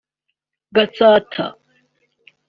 Gatsata